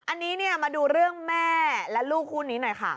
อันนี้เนี่ยมาดูเรื่องแม่และลูกคู่นี้หน่อยค่ะ